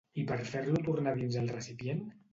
I per fer-lo tornar a dins el recipient?